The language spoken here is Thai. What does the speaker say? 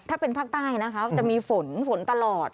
ถ้าเป็นภาคใต้นะคะจะมีฝนฝนตลอด